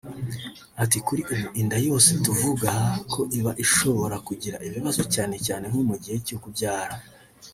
Ati «Kuri ubu inda yose tuvuga ko iba ishobora kugira ibibazo cyane cyane nko mu gihe cyo kubyara